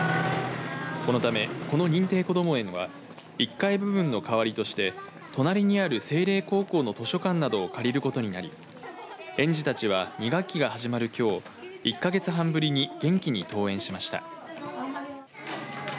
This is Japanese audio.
このためこの認定こども園は１階部分の代わりとして隣にある聖霊高校の図書館などを借りることになり園児たちは２学期が始まるきょう１か月半ぶりに元気に登園しました。